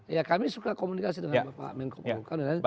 ya kami suka komunikasi dengan pak menko polhuka